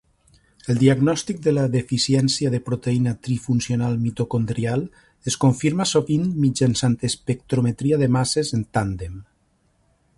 El diagnòstic de la deficiència de proteïna trifuncional mitocondrial es confirma sovint mitjançant espectrometria de masses en tàndem.